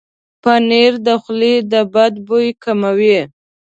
پنېر د خولې د بد بوي کموي.